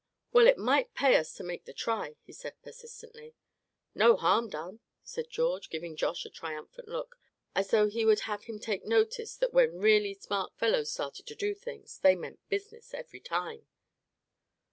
"Well, it might pay us to make the try," he said, presently. "No harm done," said George, giving Josh a triumphant look, as though he would have him take notice that when really smart fellows started to do things, they meant business every time.